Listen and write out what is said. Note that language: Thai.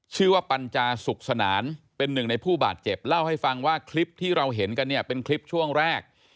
ปัญจาสุขสนานเป็นหนึ่งในผู้บาดเจ็บเล่าให้ฟังว่าคลิปที่เราเห็นกันเนี่ยเป็นคลิปช่วงแรก